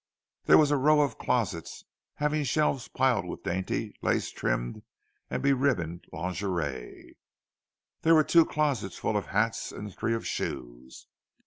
There was a row of closets, having shelves piled up with dainty lace trimmed and beribboned lingerie; there were two closets full of hats and three of shoes.